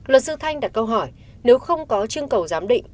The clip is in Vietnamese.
luật sư thanh đặt câu hỏi nếu không có chương cầu giám định